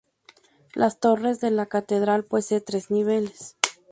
Las torres de la catedral posee tres niveles.